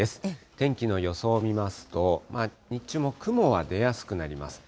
天気の予想を見ますと、日中も雲は出やすくなります。